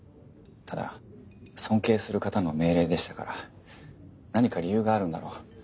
ただ尊敬する方の命令でしたから何か理由があるんだろう